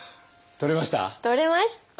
取れました！